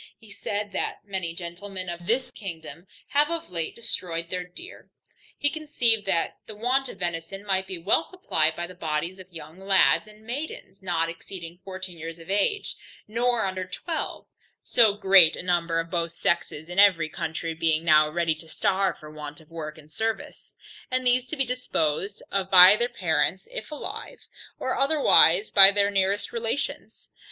He said, that many gentlemen of this kingdom, having of late destroyed their deer, he conceived that the want of venison might be well supplied by the bodies of young lads and maidens, not exceeding fourteen years of age, nor under twelve; so great a number of both sexes in every county being now ready to starve for want of work and service: and these to be disposed of by their parents if alive, or otherwise by their nearest relations.